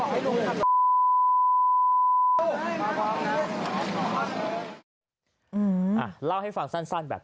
อ้าวเล่าให้ฟังสั้นนะครับ